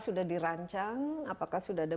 sudah dirancang apakah sudah ada